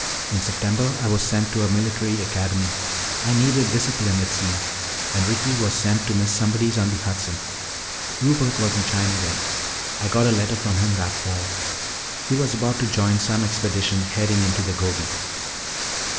In September I was sent to a military academy. I needed discipline, it seemed. And Ricky was sent to Miss Somebody's on the Hudson. Rupert was in China then. I got a letter from him that fall. He was about to join some expedition heading into the Gobi.